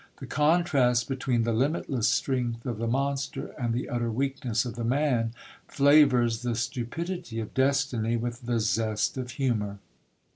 The contrast between the limitless strength of the monster and the utter weakness of the man, flavours the stupidity of Destiny with the zest of humour.